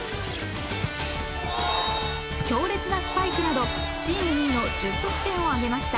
強烈なスパイクなどチーム２位の１０得点を挙げました。